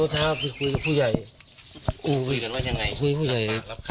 ตรงนี้ก็เท่าไม่คุยกับผู้ใหญ่คุยพูดกันว่ายังไงคุยพูดใหญ่